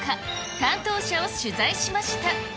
担当者を取材しました。